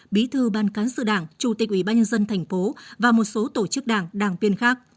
bí thư ban cán sự đảng chủ tịch ubnd tp và một số tổ chức đảng đảng viên khác